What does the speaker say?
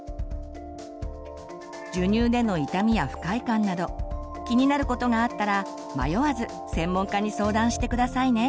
授乳での痛みや不快感など気になることがあったら迷わず専門家に相談して下さいね。